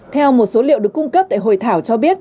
theo một số liệu được cung cấp tại hội thảo cho biết